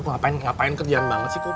ngapain ngapain kerjaan banget sih kum